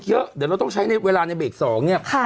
เดี๋ยวเราต้องใช้เวลาในเบส๒เนี่ย